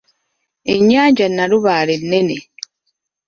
Ennyanja Nalubaale nnene.